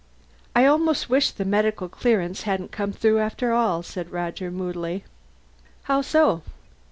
"I almost wish the medical clearance hadn't come through after all," said Roger moodily. "How so?"